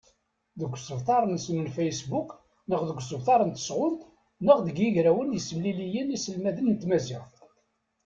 Deg usebter-nsen n facebook neɣ deg usebter n tesɣunt neɣ deg yigrawen i d-yessemliliyen iselmaden n tmaziɣt.